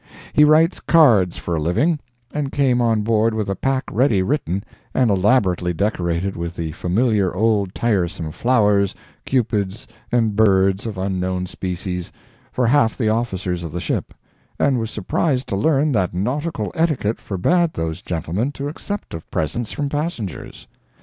He writes cards for a living, and came on board with a pack ready written and elaborately decorated with the familiar old tiresome flowers, cupids and birds of unknown species, for half the officers of the ship—and was surprised to learn that nautical etiquette forbade those gentlemen to accept of presents from passengers.